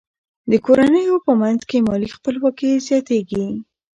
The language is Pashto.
د کورنیو په منځ کې مالي خپلواکي زیاتیږي.